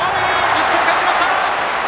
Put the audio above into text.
１点返しました！